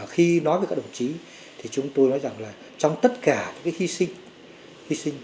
khi nói với các đồng chí thì chúng tôi nói rằng là trong tất cả những cái hy sinh